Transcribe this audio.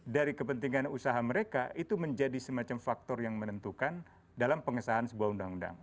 dari kepentingan usaha mereka itu menjadi semacam faktor yang menentukan dalam pengesahan sebuah undang undang